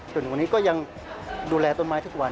วันนี้ก็ยังดูแลต้นไม้ทุกวัน